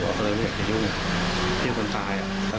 แล้วบ้านเจ้าหน่ายแกไม่มีที่จอด